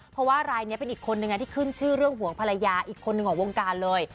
เพราะว่ารายนี้เป็นอีกคนนึงที่ขึ้นชื่อเรื่องห่วงภรรยาอีกคนหนึ่งของวงการเลย